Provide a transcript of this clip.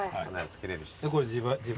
これ自分。